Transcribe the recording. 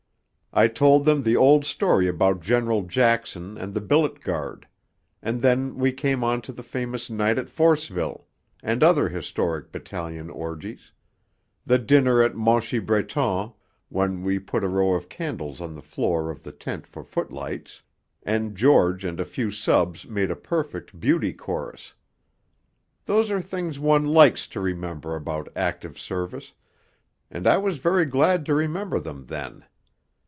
I told them the old story about General Jackson and the billet guard; and then we came on to the famous night at Forceville, and other historic battalion orgies the dinner at Monchy Breton, when we put a row of candles on the floor of the tent for footlights, and George and a few subs made a perfect beauty chorus. Those are the things one likes to remember about active service, and I was very glad to remember them then.